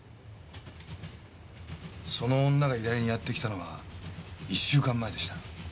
その女が依頼にやって来たのは１週間前でした。